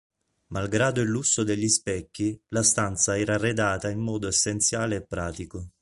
Malgrado il lusso degli specchi, la stanza era arredata in modo essenziale e pratico.